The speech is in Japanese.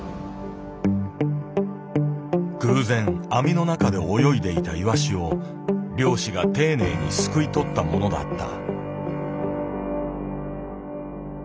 偶然網の中で泳いでいたイワシを漁師が丁寧にすくいとったものだった。